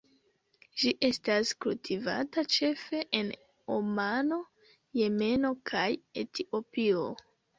Ĝi estas kultivata ĉefe en Omano, Jemeno kaj Etiopio.